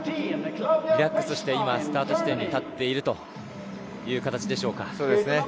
リラックスしてスタート地点に立っているという形でしょうか？